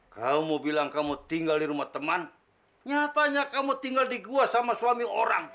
kamu mau bilang kamu tinggal di rumah teman nyatanya kamu tinggal di gua sama suami orang